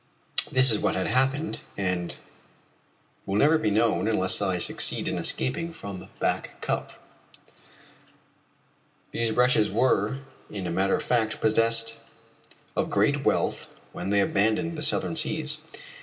This is what had happened and what will never be known unless I succeed in escaping from Back Cup: These wretches were, as a matter of fact, possessed of great wealth when they abandoned the Southern Seas.